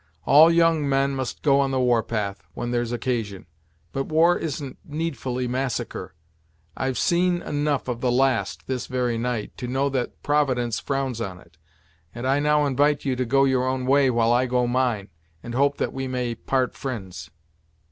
All young men must go on the war path, when there's occasion, but war isn't needfully massacre. I've seen enough of the last, this very night, to know that Providence frowns on it; and I now invite you to go your own way, while I go mine; and hope that we may part fri'nds."